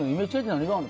何がある？